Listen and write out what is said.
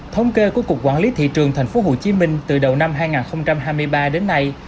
thống kê của cục quản lý thị trường thành phố hồ chí minh từ đầu năm hai nghìn hai mươi ba đến nay